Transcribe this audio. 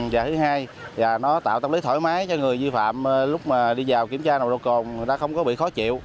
và thứ hai là nó tạo tâm lý thoải mái cho người vi phạm lúc mà đi vào kiểm tra nồng độ cồn người ta không có bị khó chịu